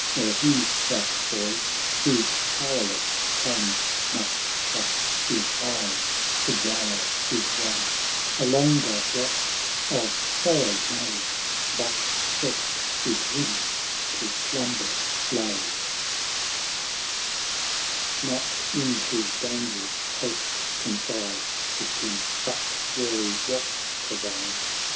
IS or he, that boy, whose powerless tongue Must trust his eyes to wail his wrong, A longer watch of sorrow made, But stretched his limbs to slumber laid, XXVI Not in his dangerous host confides The King, but wary watch provides.